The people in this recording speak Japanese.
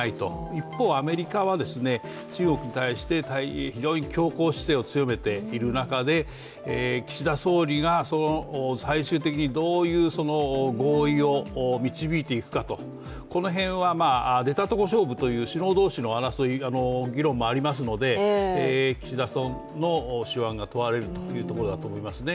一方、アメリカは中国に対して非常に強硬姿勢を強めている中で、岸田総理が最終的にどういう合意を導いていくかと、この辺は出たとこ勝負という首脳同士の議論もありますので、岸田総理の手腕が問われるところだと思いますね。